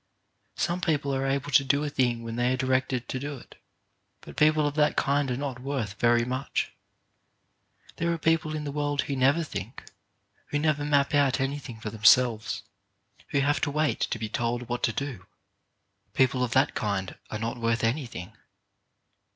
Some people are able to do a thing when they are directed to do it, but people of that kind are not worth very much. There are people in the world who never think, who never map out any thing for themselves, who have to wait to be told what to do. People of that kind are not worth anything.